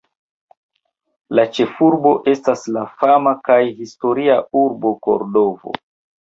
La ĉefurbo estas la fama kaj historia urbo Kordovo.